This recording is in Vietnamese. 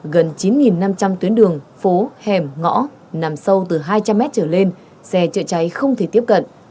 gần chín năm trăm linh tuyến đường phố hẻm ngõ nằm sâu từ hai trăm linh m trở lên xe chữa cháy không thể tiếp cận